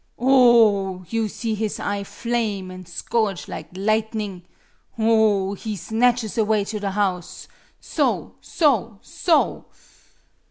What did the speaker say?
"O o o! You see his eye flame an' scorch lig lightening! O o o! He snatch us away to the house so so so!"